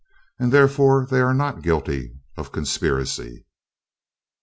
And therefore they are not guilty of conspiracy.